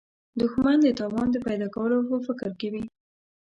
دښمن د تاوان د پیدا کولو په فکر کې وي